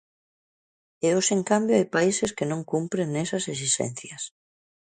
E hoxe, en cambio, hai países que non cumpren esas exixencias.